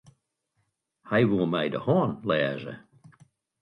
Hja woe my de hân lêze.